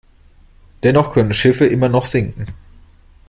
Dennoch können Schiffe immer noch sinken.